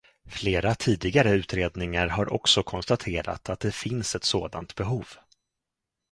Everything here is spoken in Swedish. Flera tidigare utredningar har också konstaterat att det finns ett sådant behov.